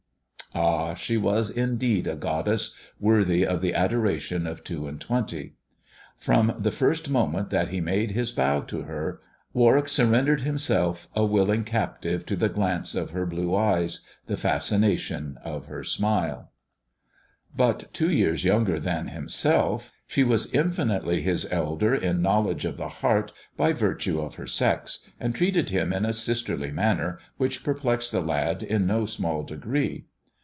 Ah ! she was indeed a goddess, worthy of the adoration of two and twenty ; from the first moment that he made his bow to her, Warwick surrendered himself a willing captive to the glance of her blue eyes, to the fascination of her smile. But two years younger than himself, she " Uaie with Celiu LdiuirQ." THE dwakf's chamber 83 was infinitely his elder in knowledge of the heart by virtue of her sex, and treated him in a sisterly manner, which perplexed the lad in no small degree.